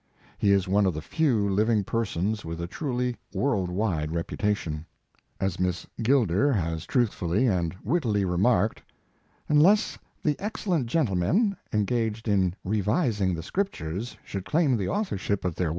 He is one of the few living persons with a truly world wide reputation. As Miss Gilder has truthfully and wittily re marked: "Unless the excellent gentle men, engaged in revising the Scriptures, should claim the authorship of their His Life and Work.